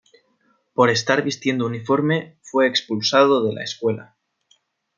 Por estar vistiendo uniforme fue expulsado de la Escuela.